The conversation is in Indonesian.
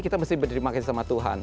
kita mesti berterima kasih sama tuhan